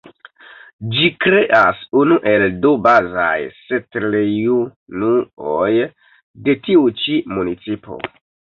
Ĝi kreas unu el du bazaj setlejunuoj de tiu ĉi municipo.